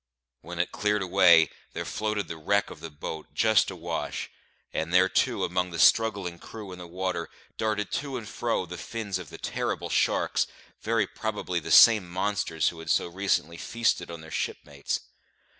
When it cleared away, there floated the wreck of the boat, just awash; and there too, among the struggling crew in the water, darted to and fro the fins of the terrible sharks, very probably the same monsters who had so recently feasted on their shipmates.